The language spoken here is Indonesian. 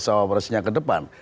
apakah bisa operasinya ke depan